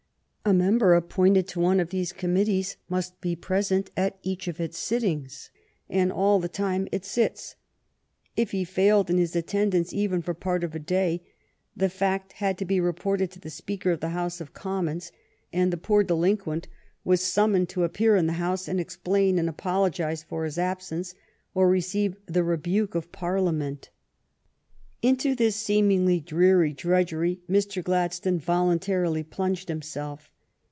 A member appointed to one of those com mittees must be present at each of its sittings. f. ''^ and all the time it sits. If he failed in his attendance even for part of a day, the fact had to be reported to the Speaker of the House of Com mons, and the poor delinquent was summoned to GLADSTONE IN OFFICE 59 appear in the House and explain and apologize for his absence, or receive the rebuke of Parlia ment. Into this seemingly dreary drudgery Mr. Gladstone voluntarily plunged himself.